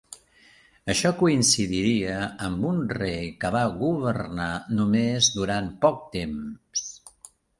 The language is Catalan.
Això coincidiria amb un rei que va governar només durant poc temps.